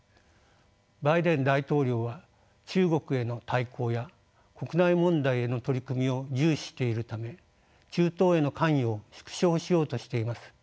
バイデン大統領は中国への対抗や国内問題への取り組みを重視しているため中東への関与を縮小しようとしています。